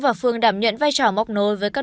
và phương đảm nhận vai trò móc nối với các